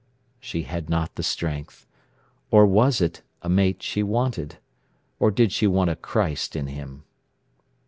She had not the strength. Or was it a mate she wanted? or did she want a Christ in him?